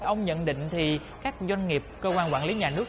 ông nhận định thì các doanh nghiệp cơ quan quản lý nhà nước